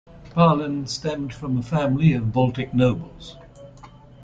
Pahlen stemmed from a family of Baltic nobles.